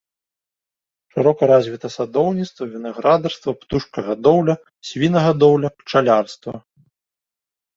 Шырока развіта садоўніцтва, вінаградарства, птушкагадоўля, свінагадоўля, пчалярства.